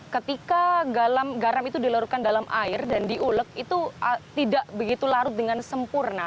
ketika garam itu dilarutkan dalam air dan diulek itu tidak begitu larut dengan sempurna